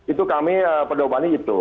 itu kami pedomani itu